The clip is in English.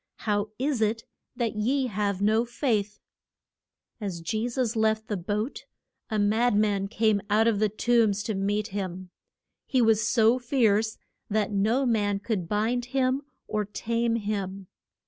How is it that ye have no faith? As Je sus left the boat a mad man came out of the tombs to meet him. He was so fierce that no man could bind him, or tame him.